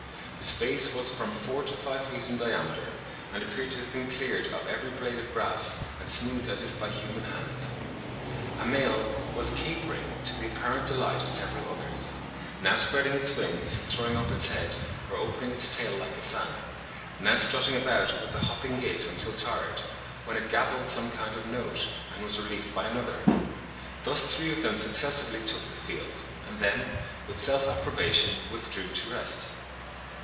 The space was from four to five feet in diameter, and appeared to have been cleared of every blade of grass and smoothed as if by human hands. A male "was capering, to the apparent delight of several others. Now spreading its wings, throwing up its head, or opening its tail like a fan; now strutting about with a hopping gait until tired, when it gabbled some kind of note, and was relieved by another. Thus three of them successively took the field, and then, with self approbation, withdrew to rest."